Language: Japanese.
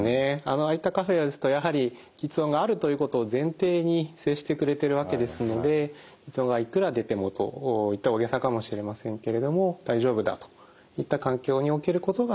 ああいったカフェですとやはり吃音があるということを前提に接してくれてるわけですので吃音がいくら出てもと言ったら大げさかもしれませんけれども大丈夫だといった環境におけることがですね